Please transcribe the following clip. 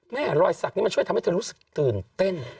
รอยสักนี้มันช่วยทำให้เธอรู้สึกตื่นเต้น